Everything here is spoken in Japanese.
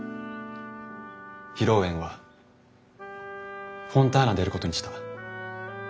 披露宴はフォンターナでやることにした。